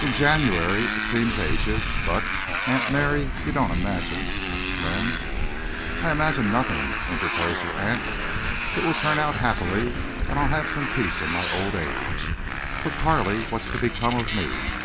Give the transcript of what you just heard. "In January. It seems ages—but—Aunt Mary, you don't imagine Glenn—" "I imagine nothing," interposed her aunt. "It will turn out happily and I'll have some peace in my old age. But, Carley, what's to become of me?"